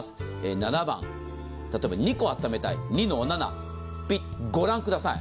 ７番、例えば２個あっためたい、２の７、ピッ、御覧ください。